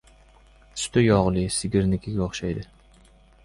Suti yog‘li, sigirnikiga o‘xshaydi.